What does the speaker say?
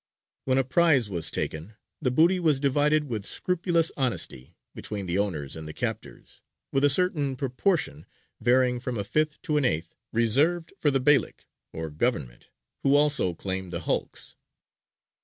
When a prize was taken the booty was divided with scrupulous honesty between the owners and the captors, with a certain proportion (varying from a fifth to an eighth) reserved for the Beylik, or government, who also claimed the hulks.